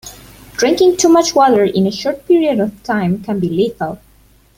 Drinking too much water in a short period of time can be lethal.